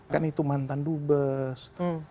kan itu mantan dubes